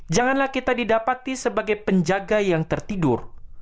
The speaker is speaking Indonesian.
janganlah kita didapati sebagai penjaga yang tertidur